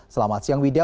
selamat siang wida